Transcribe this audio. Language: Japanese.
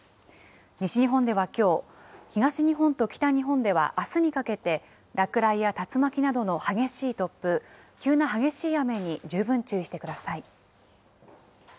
西日本ではきょう、東日本と北日本ではあすにかけて、落雷や竜巻などの激しい突風、急な激しい雨に十分注意してください。